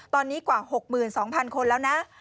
ตอนนี้กว่า๖๒๐๐คนแล้วนะ